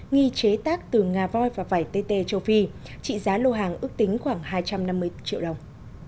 nghi chế tác từ nga voi và vải tt châu phi trị giá lô hàng ước tính khoảng hai trăm năm mươi triệu đồng